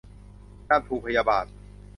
การผูกพยาบาท